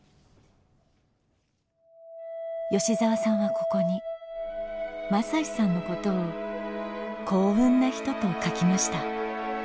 吉澤さんはここに雅司さんのことを「幸運な人」と書きました。